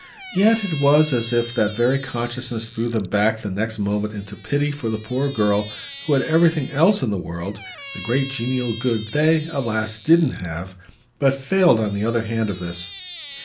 Yet it was as if that very consciousness threw them back the next moment into pity for the poor girl who had everything else in the world, the great genial good they, alas, didn't have, but failed on the other hand of this.